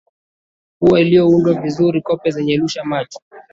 pua iliyoundwa vizuri kope zenye lush macho